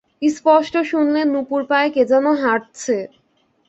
স্পষ্ট শুনলেন নূপুর পায়ে কে যেন হাঁটছে।